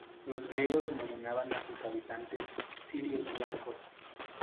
Los griegos denominaban a sus habitantes "sirios blancos".